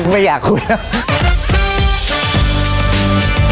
ไม่อยากคุยแล้ว